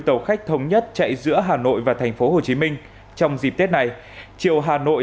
tàu khách thống nhất chạy giữa hà nội và thành phố hồ chí minh trong dịp tết này chiều hà nội